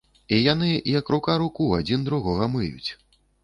І яны, як рука руку, адзін другога мыюць.